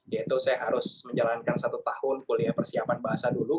yaitu saya harus menjalankan satu tahun kuliah persiapan bahasa dulu